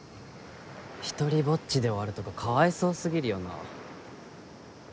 独りぼっちで終わるとかかわいそう過ぎるよな。